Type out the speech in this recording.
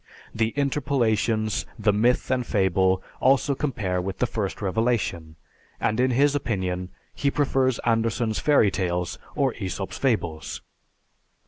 The interpolations, the myth, and fable also compare with the first revelation, and, in his opinion, he prefers Andersen's Fairy Tales, or Æsop's Fables.